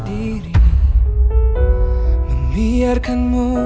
terima kasih banyak ya pak